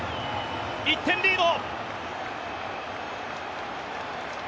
１点リード！